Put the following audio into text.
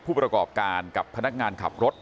ผู้ประกอบการกับพนักงานขับรถ